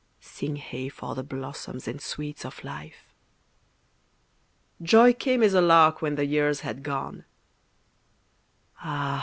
(Sing hey! for the blossoms and sweets of life!) Joy came as a lark when the years had gone, (Ah!